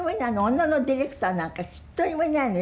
女のディレクターなんか一人もいないのよ。